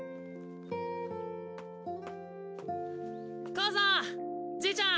母さんじいちゃん！